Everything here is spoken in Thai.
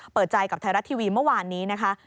เปิดใจกับไทยรัฐทีวีเมื่อวานนี้นะคะ